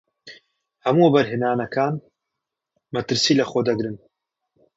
هەموو وەبەرهێنانەکان مەترسی لەخۆ دەگرن.